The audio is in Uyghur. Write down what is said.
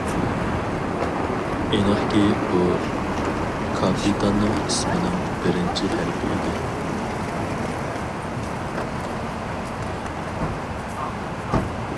ئېنىقكى بۇ كاپىتاننىڭ ئىسمىنىڭ بىرىنچى ھەرپى ئىدى.